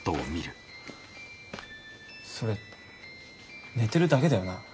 それ寝てるだけだよな？